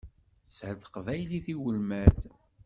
Teshel teqbaylit i ulmad.